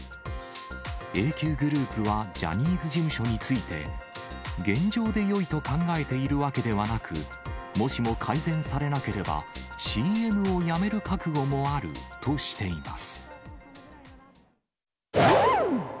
ＡＱグループはジャニーズ事務所について、現状でよいと考えているわけではなく、もしも改善されなければ、ＣＭをやめる覚悟もあるとしています。